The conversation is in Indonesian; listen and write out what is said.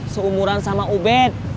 seumuran sama ubed